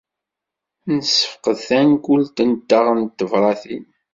Nessefqed tankult-nteɣ n tebṛatin.